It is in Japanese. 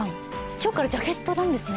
今日からジャケットなんですね。